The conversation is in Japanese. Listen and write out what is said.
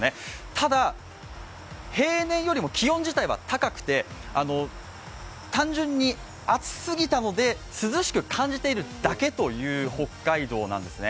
ただ、平年よりも気温自体は高くて単純に暑すぎたので涼しく感じているだけという北海道なんですね